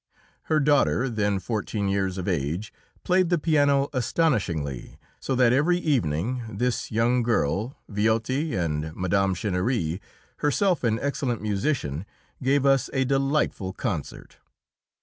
Her daughter, then fourteen years of age, played the piano astonishingly, so that every evening this young girl, Viotti, and Mme. Chinnery, herself an excellent musician, gave us a delightful concert.